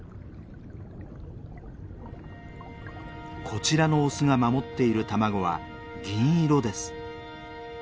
こちらのオスが守っている卵は銀色です。